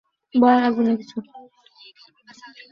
জানি, কিন্তু কোথাও দেখতে পাচ্ছি না।